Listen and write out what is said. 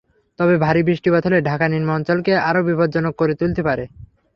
তবে ভারী বৃষ্টিপাত হলে ঢাকার নিম্নাঞ্চলকে আরও বিপজ্জনক করে তুলতে পারে।